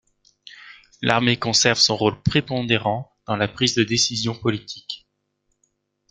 L'armée conserve son rôle prépondérant dans la prise de décision politique.